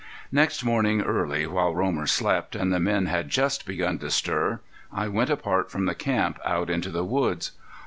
Next morning early, while Romer slept, and the men had just begun to stir, I went apart from the camp out into the woods.